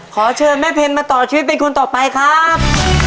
ขอเชิญแม่เพ็ญมาต่อชีวิตเป็นคนต่อไปครับ